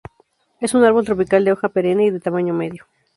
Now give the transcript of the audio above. Es un árbol tropical de hoja perenne y de tamaño medio.